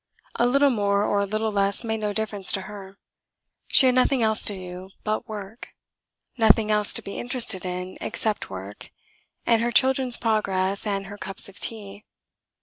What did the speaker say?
A little more or a little less made no difference to her. She had nothing else to do, but work; nothing else to be interested in, except work and her children's progress, and her cups of tea.